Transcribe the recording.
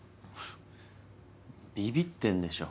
びびってんでしょ？